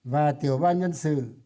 và tiểu ban nhân sự